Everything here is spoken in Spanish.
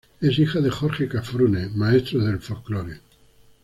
Es hija de Jorge Cafrune, maestro del folclore.